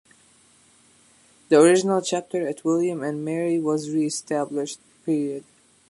The original chapter at William and Mary was re-established.